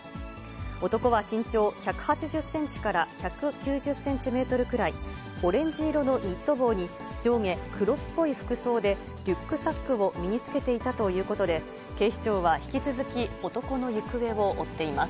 男は身長１８０センチから１９０センチメートルくらい、オレンジ色のニット帽に上下黒っぽい服装で、リュックサックを身につけていたということで、警視庁は引き続き、男の行方を追っています。